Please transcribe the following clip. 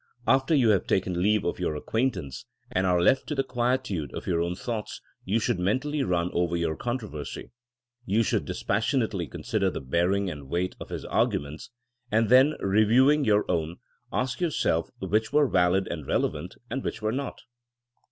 After you have taken leave of your acquaintance, and are left to the quietude of your own thoughts, you should mentally run over your controversy. You should dispassionately consider the bearing and weight of his arguments ; and then, review ing your own, ask yourself which were valid and relevant and which were not.